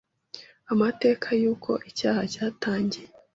Amateka y’uko icyaha cyatangiye